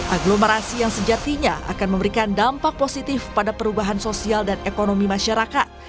aglomerasi yang sejatinya akan memberikan dampak positif pada perubahan sosial dan ekonomi masyarakat